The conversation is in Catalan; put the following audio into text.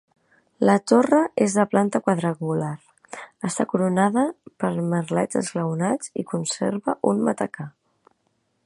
La torre és de planta quadrangular, està coronada per merlets esglaonats i conserva un matacà.